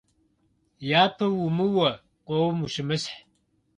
Япэ умыуэ, къоуэм ущымысхь.